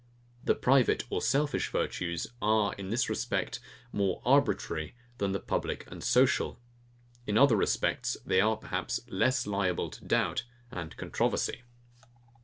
The private or selfish virtues are, in this respect, more arbitrary than the public and social. In other respects they are, perhaps, less liable to doubt and controversy.